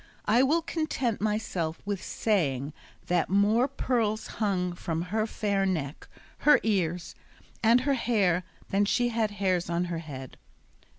I will content myself with saying that more pearls hung from her fair neck, her ears, and her hair than she had hairs on her head.